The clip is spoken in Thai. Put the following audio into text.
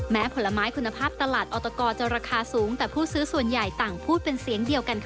ผลไม้คุณภาพตลาดออตกจะราคาสูงแต่ผู้ซื้อส่วนใหญ่ต่างพูดเป็นเสียงเดียวกันค่ะ